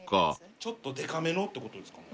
ちょっとでかめのってことですか。